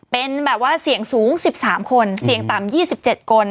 เป็นแบบว่าเสี่ยงสูง๑๓คนเสี่ยงต่ำ๒๗คน